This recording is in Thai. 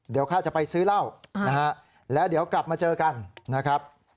เดี๋ยวข้าจะไปซื้อเหล้านะฮะแล้วเดี๋ยวกลับมาเจอกันนะครับ